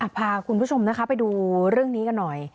พาคุณผู้ชมนะคะไปดูเรื่องนี้กันหน่อย